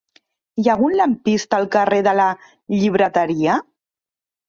Hi ha algun lampista al carrer de la Llibreteria?